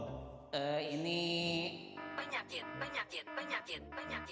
ini penyakit penyakit penyakit penyakit